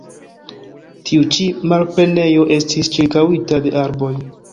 Tiu ĉi malplenejo estis ĉirkaŭita de arboj.